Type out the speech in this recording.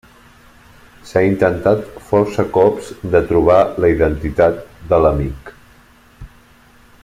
S'ha intentat força cops de trobar la identitat de l'Amic.